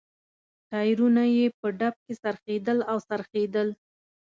ټایرونه یې په ډب کې څرخېدل او څرخېدل.